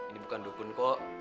ini bukan dukun kok